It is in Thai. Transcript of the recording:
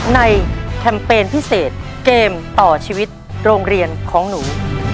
แคมเปญพิเศษเกมต่อชีวิตโรงเรียนของหนู